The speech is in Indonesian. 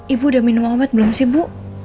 ibu udah minum obat belum sih bu